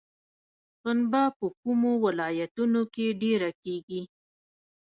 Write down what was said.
پنبه په کومو ولایتونو کې ډیره کیږي؟